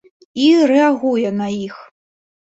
І рэагуе на іх.